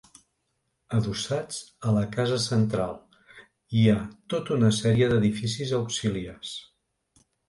Adossats a la casa central, hi ha tota una sèrie d'edificis auxiliars.